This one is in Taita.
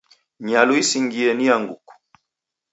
Nyalu isingie ni ya nguku.